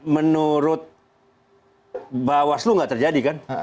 menurut bawaslu nggak terjadi kan